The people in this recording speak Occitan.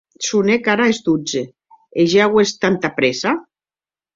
Sonen ara es dotze, e ja auetz tanta prèssa?